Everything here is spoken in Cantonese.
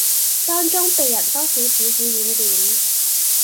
當中被人多少指指點點